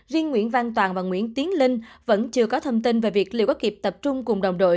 riêng nguyễn văn toàn và nguyễn tiến linh vẫn chưa có thông tin về việc liệu có kịp tập trung cùng đồng đội